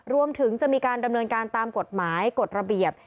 รวมถึงจะมีการดำเนินการตามกฎหมายกฎระเบียบ